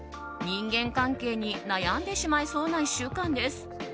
人間関係に悩んでしまいそうな１週間です。